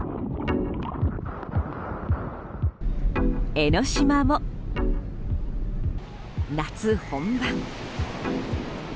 江の島も夏本番。